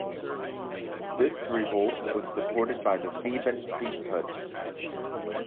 This revolt was supported by the Theban priesthood.